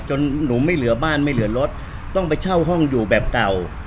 หนูไม่เหลือบ้านไม่เหลือรถต้องไปเช่าห้องอยู่แบบเก่า